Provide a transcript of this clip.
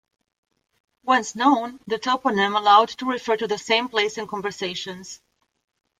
Once known, the toponym allowed to refer to the same place in conversations.